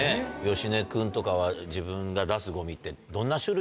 芳根君とかは自分が出すゴミって。